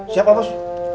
siap pak bos